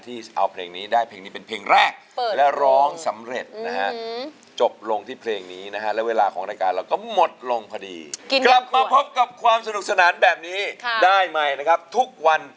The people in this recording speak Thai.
ที่เอาเพลงนี้ได้เพลงนี้เป็นเพลงแรก